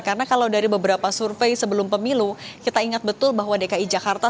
karena kalau dari beberapa survei sebelum pemilu kita ingat betul bahwa dki jakarta